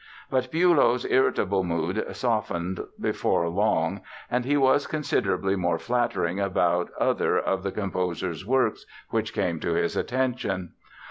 But Bülow's irritable mood softened before long and he was considerably more flattering about other of the composer's works which came to his attention.